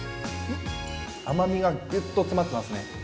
甘味がぐっと詰まってますね。